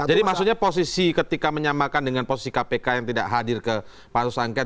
jadi maksudnya posisi ketika menyamakan dengan posisi kpk yang tidak hadir ke pasus angket